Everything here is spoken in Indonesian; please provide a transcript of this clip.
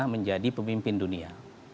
menjadi pemimpin dunia